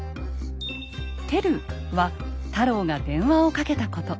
「ｔｅｌ」は太郎が電話をかけたこと。